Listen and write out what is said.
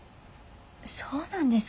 そうなんですか？